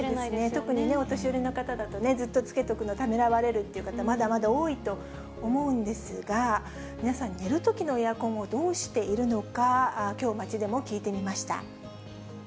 特にお年寄りの方だとずっとつけておくのためらわれるという方、まだまだ多いと思うんですが、皆さん、寝るときのエアコンをどうしているのか、きょう、街でも聞いてみました。